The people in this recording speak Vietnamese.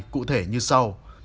cụ thể như sau